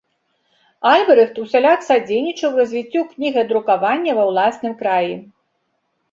Альбрэхт усяляк садзейнічаў развіццю кнігадрукавання ва ўласным краі.